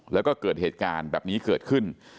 แล้วก็เกิดเหตุการณ์แบบนี้เกิดขึ้น